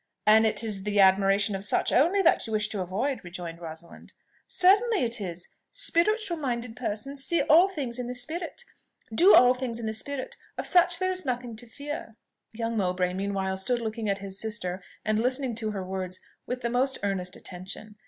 "And it is the admiration of such only that you wish to avoid?" rejoined Rosalind. "Certainly it is. Spiritual minded persons see all things in the spirit do all things in the spirit: of such there is nothing to fear." Young Mowbray meanwhile stood looking at his sister, and listening to her words with the most earnest attention.